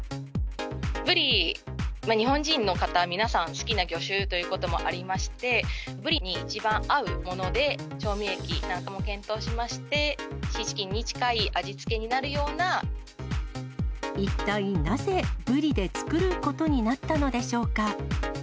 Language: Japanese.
ブリは日本人の方、皆さん好きな魚種ということもありまして、ブリに一番合うもので調味液なども検討しまして、シーチキンに近一体なぜ、ブリで作ることになったのでしょうか。